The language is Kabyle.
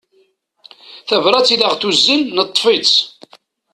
Tabrat i aɣ-d-tuzen neṭṭef-tt.